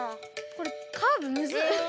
これカーブむずっ！